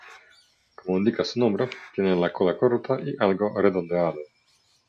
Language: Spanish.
Como indica su nombre, tiene la cola corta y algo redondeada.